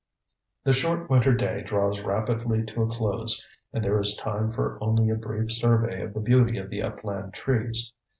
The short winter day draws rapidly to a close and there is time for only a brief survey of the beauty of the upland trees.